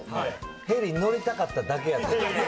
ヘリ乗りたかっただけやと思う。